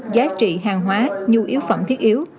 giá trị hàng hóa nhu yếu phẩm thiết yếu